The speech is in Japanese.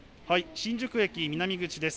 新宿駅南口です。